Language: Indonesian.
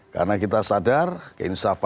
karena kita sadar keinsafan